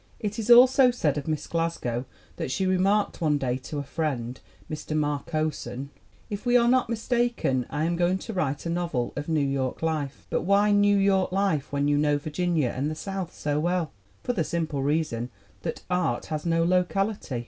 It is also said of Miss Glasgow that she remarked one day to a friend Mr. Marcosson, if we are not mistaken : "I am going to write a novel of New York life." "But why New York life when you know Virginia and the South so well?" "For the simple reason that art has no locality.